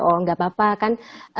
oh nggak apa apa kan